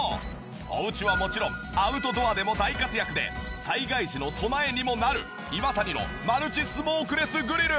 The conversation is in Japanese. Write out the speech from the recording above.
おうちはもちろんアウトドアでも大活躍で災害時の備えにもなるイワタニのマルチスモークレスグリル！